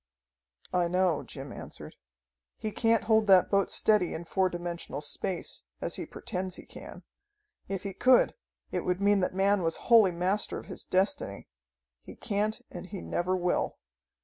"I know," Jim answered. "He can't hold that boat steady in four dimensional space, as he pretends he can. If he could, it would mean that man was wholly master of his destiny. He can't and he never will.